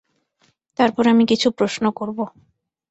তারপর আমি কিছু প্রশ্ন করব।